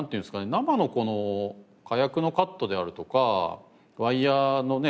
生のこの火薬のカットであるとかワイヤのね